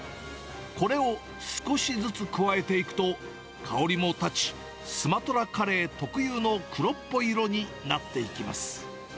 これを少しずつ加えていくと、香りも立ち、スマトラカレー特有の黒っぽい色になっていきます。